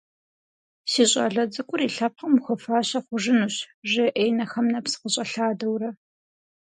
Си щӏалэ цӏыкӏур и лъэпкъым хуэфащэ хъужынущ, – жеӏэ, и нэхэм нэпс къыщӏэлъадэурэ.